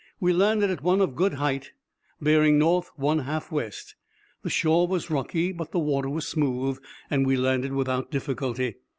We landed at one of a good height, bearing north one half west. The shore was rocky, but the water was smooth, and we landed without difficulty.